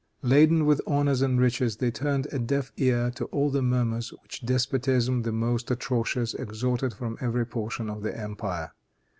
Laden with honors and riches, they turned a deaf ear to all the murmurs which despotism, the most atrocious, extorted from every portion of the empire.